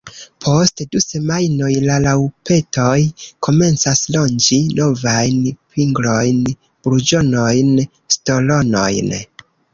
Post du semajnoj la raŭpetoj komencas ronĝi novajn pinglojn, burĝonojn, stolonojn.